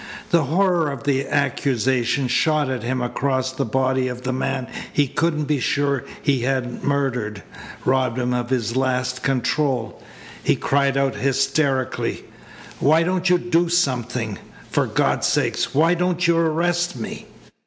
The horror of the accusation shot at him across the body of the man he couldn't be sure he hadn't murdered, robbed him of his last control. He cried out hysterically: "Why don't you do something? For God's sake, why don't you arrest me?"